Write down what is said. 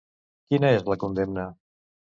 Quina és la condemna?